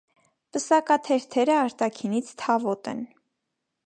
Պսակաթերթերը արտաքինից թավոտ են։